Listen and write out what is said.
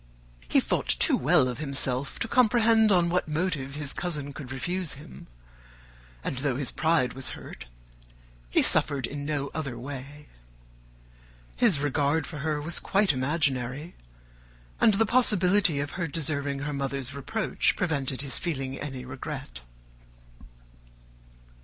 He thought too well of himself to comprehend on what motive his cousin could refuse him; and though his pride was hurt, he suffered in no other way. His regard for her was quite imaginary; and the possibility of her deserving her mother's reproach prevented his feeling any regret.